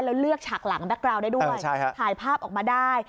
แล้วเลือกฉากหลังแบ็คกราวได้ด้วยถ่ายภาพออกมาได้